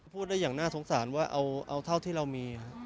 พูดได้อย่างน่าสงสารว่าเอาเท่าที่เรามี